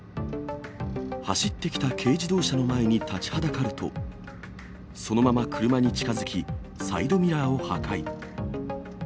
走ってきた軽自動車の前に立ちはだかると、そのまま車に近づき、サイドミラーを破壊。